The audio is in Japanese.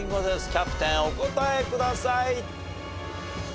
キャプテンお答えください。